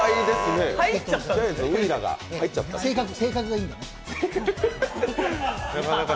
性格がいいんだね。